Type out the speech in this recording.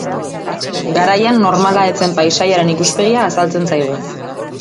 Garaian normala ez zen paisaiaren ikuspegia azaltzen zaigu.